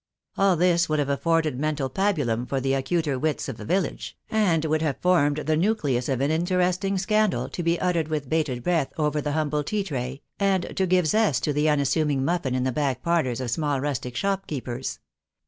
All this would have afforded mental pabulum for the acuter wits of the village, and would have formed the nucleus of an interesting scandal, to be uttered with bated breath over the humble tea tray, and to give zest to the unassuming muffin in the back parlours of small rustic shopkeepers.